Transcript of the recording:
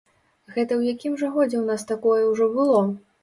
Гэта ў якім жа годзе ў нас такое ўжо было?